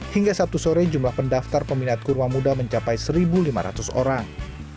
hingga sabtu sore jumlah pendaftar peminat kurma muda mencapai satu lima ratus orang